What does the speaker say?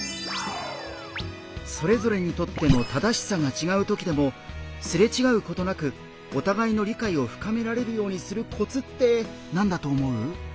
それぞれにとっての「正しさ」がちがうときでもすれちがうことなくお互いの理解を深められるようにするコツって何だと思う？